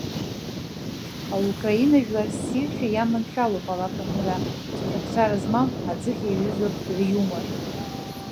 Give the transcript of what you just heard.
Аукраина жәлар ссиршәа иаманшәалоуп алаф аҳәара, ҵыхәаԥҵәара змам аӡыхь иаҩызоуп риумор.